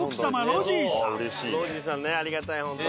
ロジーさんねありがたいほんと。